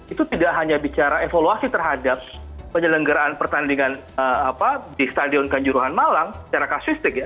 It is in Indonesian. itu tidak hanya bicara evaluasi terhadap penyelenggaraan pertandingan di stadion kanjuruhan malang secara kasistik ya